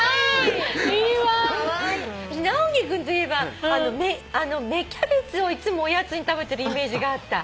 直樹君といえば芽キャベツをいつもおやつに食べてるイメージがあった。